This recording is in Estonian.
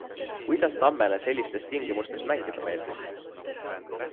Kuidas Tammele sellistes tingimustes mängida meeldis?